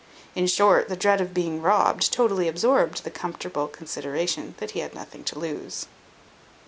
In short, the dread of being robbed totally absorbed the comfortable consideration that he had nothing to lose.